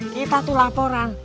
kita tuh laporan